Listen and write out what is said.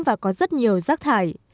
và có rất nhiều rác thải